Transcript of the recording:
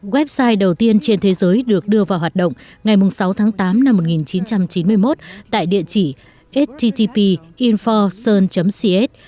website đầu tiên trên thế giới được đưa vào hoạt động ngày sáu tháng tám năm một nghìn chín trăm chín mươi một tại địa chỉ http info sun cs